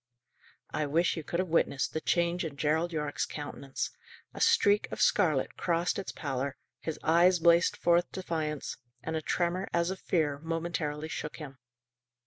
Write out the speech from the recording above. I wish you could have witnessed the change in Gerald Yorke's countenance! A streak of scarlet crossed its pallor, his eyes blazed forth defiance, and a tremor, as of fear, momentarily shook him.